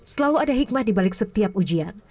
selalu ada hikmah di balik setiap ujian